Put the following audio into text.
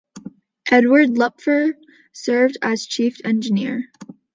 Edward Lupfer served as chief engineer.